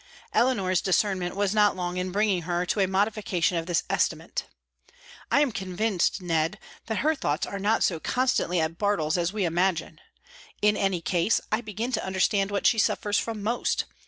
Eleanor's discernment was not long in bringing her to a modification of this estimate. "I am convinced, Ned, that her thoughts are not so constantly at Bartles as we imagine. In any case, I begin to understand what she suffers from most.